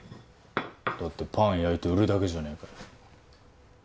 だってパン焼いて売るだけじゃねえかよ